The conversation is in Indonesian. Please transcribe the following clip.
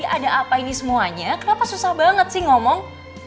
ada apa ini semuanya kenapa susah banget sih ngomong